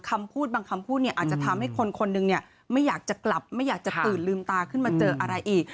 คำพูดบางคำพูดเนี่ยอาจจะทำให้คนคนหนึ่งเนี่ยไม่อยากจะกลับไม่อยากจะตื่นลืมตาขึ้นมาเจออะไรอีก